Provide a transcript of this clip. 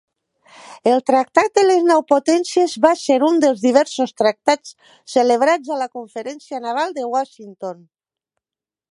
El Tractat de les Nou Potències va ser un dels diversos tractats celebrats a la Conferència Naval de Washington.